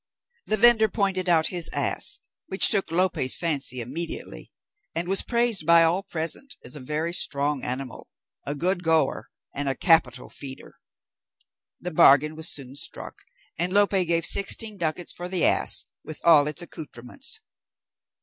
The vendor pointed out his ass, which took Lope's fancy immediately, and was praised by all present, as a very strong animal, a good goer, and a capital feeder. The bargain was soon struck, and Lope gave sixteen ducats for the ass, with all its accoutrements.